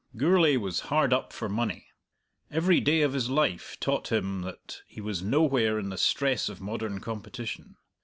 Gourlay was hard up for money. Every day of his life taught him that he was nowhere in the stress of modern competition.